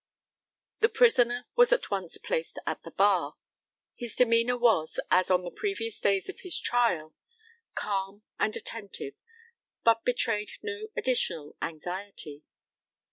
The prisoner was at once placed at the bar. His demeanour was, as on the previous days of his trial, calm and attentive, but betrayed no additional anxiety.